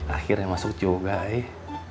akhirnya masuk juga eh